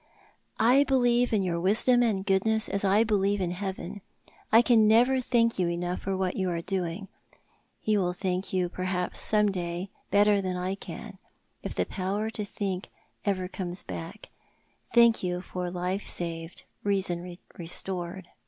" I believe in your wisdom and goodness as I believe in Heaven. I can never thank you enough for what you are doing. He will thank you, perhaps, some day — better than I can — if the power to think ever comes back — thank you for life saved, reason restored."